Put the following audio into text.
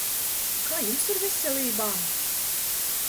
Kā jums ar veselībām?